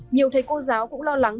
nhiều thầy cô giáo cũng lo lắng